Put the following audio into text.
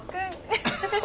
ウフフフ！